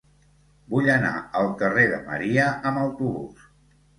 Vull anar al carrer de Maria amb autobús.